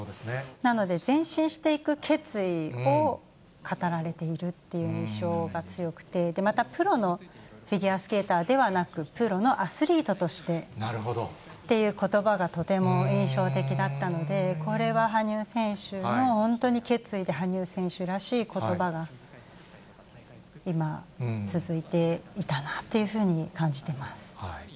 なので、前進していく決意を語られているっていう印象が強くて、またプロのフィギュアスケーターではなく、プロのアスリートとしてということばがとても印象的だったので、これは羽生選手の本当に決意で、羽生選手らしいことばが今、続いていたなっていうふうに感じてます。